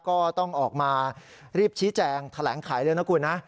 ก็ต้องออกมารีบชี้แจงแถลงไขเลยนะคุณนะ